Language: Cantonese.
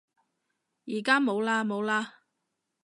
而家冇嘞冇嘞